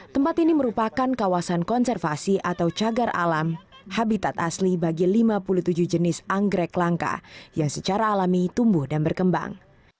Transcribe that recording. tempat ini merupakan kawasan konservasi atau cagar alam habitat asli bagi lima puluh tujuh jenis anggrek langka yang secara alami tumbuh dan berkembang